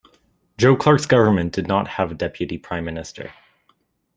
Joe Clark's government did not have a deputy prime minister.